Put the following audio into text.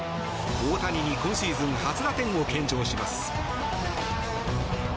大谷に今シーズン初打点を献上します。